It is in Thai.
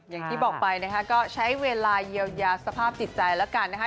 อย่างที่บอกไปนะคะก็ใช้เวลาเยียวยาสภาพจิตใจแล้วกันนะคะ